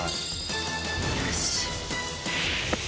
よし！